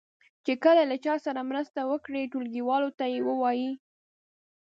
چې کله یې له چا سره مرسته کړې وي ټولګیوالو ته یې ووایي.